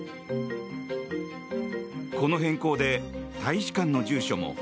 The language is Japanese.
この変更で大使館の住所も